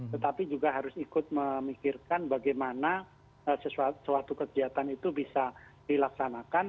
tetapi juga harus ikut memikirkan bagaimana suatu kegiatan itu bisa dilaksanakan